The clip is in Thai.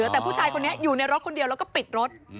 แต่ผู้ชายคนนี้อยู่ในรถคนเดียวแล้วก็ปิดรถ